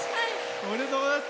おめでとうございます。